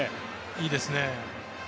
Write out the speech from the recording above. いいですね。